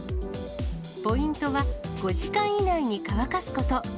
ポイントは、５時間以内に乾かすこと。